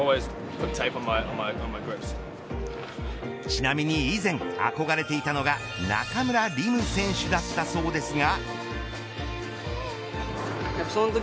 ちなみに以前、憧れていたのが中村輪夢選手だったそうですが。